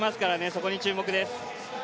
そこに注目です。